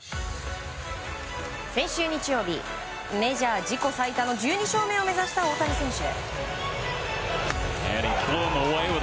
先週日曜日、メジャー自己最多の１２勝目を目指した大谷選手。